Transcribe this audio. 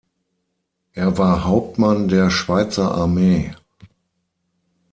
Er war Hauptmann der Schweizer Armee.